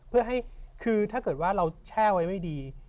เพื่อให้คือถ้าเกิดว่าเราแช่ไว้ไม่ดี